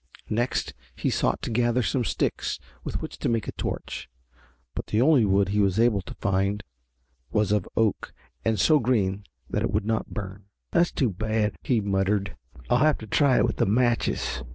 Next he sought to gather some sticks with which to make a torch, but the only wood he was able to find was of oak and so green that it would not burn. "That's too bad," he muttered. "I'll have to try it with the matches."